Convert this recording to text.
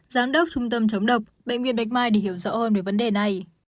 giám đốc trung tâm chống độc bệnh viện bạch mai để hiểu rõ hơn về vấn đề này